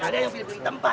kalian yang pilih tempat